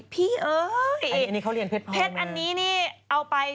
พี่เอ๋ยเพชรอันนี้นี่เอาไป